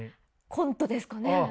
コントですかね？